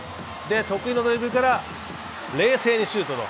得意のドリブルから冷静にシュートと。